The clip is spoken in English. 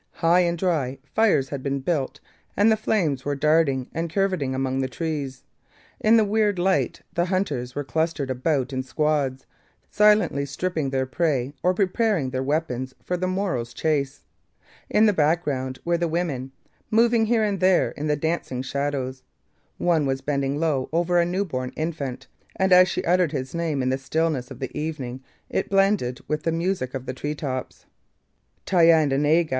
High and dry, fires had been built and the flames were darting and curvetting among the trees. In the weird light the hunters were clustered about in squads, silently stripping their prey or preparing their weapons for the morrow's chase. In the background were the women, moving here and there in the dancing shadows. One was bending low over a newborn infant, and as she uttered his name in the stillness of the evening it blended with the music of the tree tops. 'Thayendanegea!'